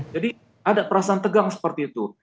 jadi ada perasaan tegang seperti itu